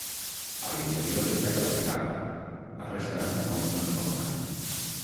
A l'interior destaca l'escala, la resta està molt transformat.